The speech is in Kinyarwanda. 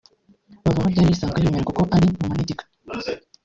bava aho ryari risanzwe riremera kuko ari mu manegeka